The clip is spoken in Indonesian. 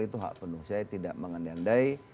itu hak penuh saya tidak mengandai